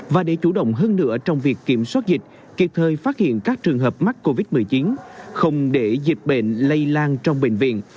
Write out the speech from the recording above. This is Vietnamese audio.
và để chủ động hơn nữa trong việc kiểm soát dịch kịp thời phát hiện các trường hợp mắc covid một mươi chín không để dịch bệnh lây lan trong bệnh viện